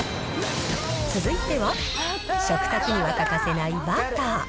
続いては、食卓には欠かせないバター。